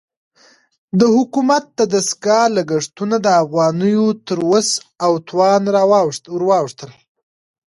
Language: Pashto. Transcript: د حکومت د دستګاه لګښتونه د افغانیو تر وس او توان ورواوښتل.